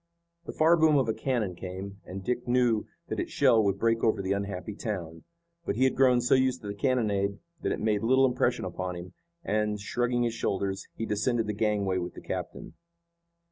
The far boom of a cannon came, and Dick knew that its shell would break over the unhappy town. But he had grown so used to the cannonade that it made little impression upon him, and, shrugging his shoulders, he descended the gangway with the captain.